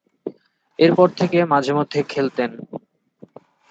এরপর থেকে মাঝে-মধ্যে খেলতেন।